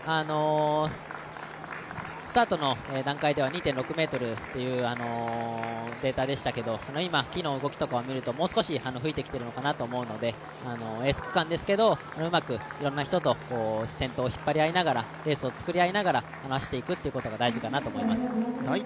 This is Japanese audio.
スタートの段階では２．６メートルというデータでしたが今、木の動きとかを見るともう少し吹いてきているのかなと思うのでエース区間ですけどうまくいろんな人とレースを引っ張りながらうまくペースを作りながら走っていくことが大事かなと思います。